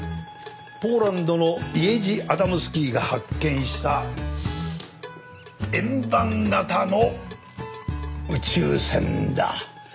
ポーランドのイエジ・アダムスキーが発見した円盤形の宇宙船だ。